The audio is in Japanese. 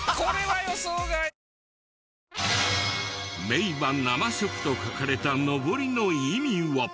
「名馬生食」と書かれたのぼりの意味は。